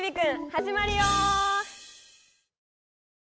はじまるよ！